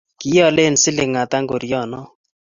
Kialen siling' ata ngoryo no?